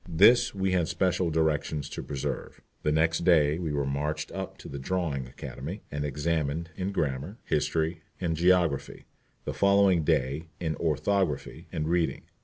This we had special directions to preserve. The next day we were marched up to the Drawing Academy, and examined in grammar, history, and geography; the following day in orthography and reading.